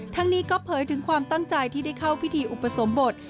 ทั้งนี้ก็เผยถึงความตั้งใจที่ได้เข้าพิธีอุปสมบท